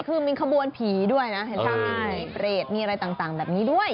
คือมีขบวนผีด้วยนะเห็นภาพมีเปรตมีอะไรต่างแบบนี้ด้วย